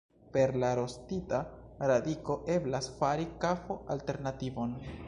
Per la rostita radiko eblas fari kafo-alternativon.